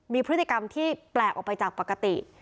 มีพฤติกรรมที่แปลกออกไปจากปกติ